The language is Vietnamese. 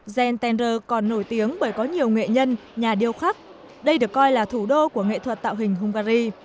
gen tender còn nổi tiếng bởi có nhiều nghệ nhân nhà điêu khắc đây được coi là thủ đô của nghệ thuật tạo hình hungary